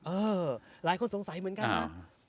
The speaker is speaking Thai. หลายคนสงสัยเหมือนกันนะ